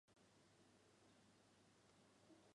西法克斯与吉斯戈都被大西庇阿的个人魅力所折服。